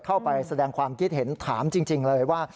เข้าไปแสดงความคิดเห็นถามจริงเลยว่า